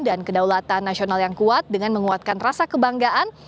dan kedaulatan nasional yang kuat dengan menguatkan rasa kebanggaan